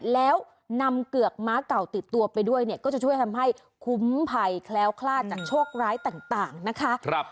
แล้วนำเกือกม้าเก่าติดตัวไปด้วยเนี่ยก็จะช่วยทำให้คุ้มภัยแคล้วคลาดจากโชคร้ายต่างนะคะ